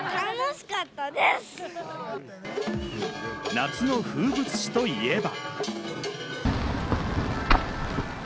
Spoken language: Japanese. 夏の風物詩といえば。